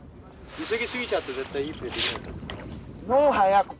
急ぎ過ぎちゃって絶対いいプレーできないから。